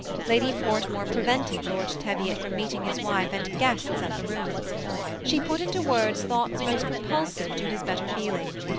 Lady Portmore prevented Lord Te 6 122 THE SEMI ATTACHED COUPLE. yiot from meeting his wife and his guests at the ruins. She put into words, thoughts most repulsive to his better feeling.